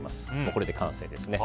これで完成ですね。